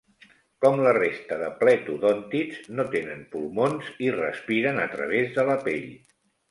Com la resta de pletodòntids, no tenen pulmons i respiren a través de la pell.